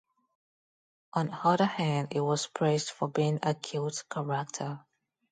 On other hand, he was praised for being a "cute character".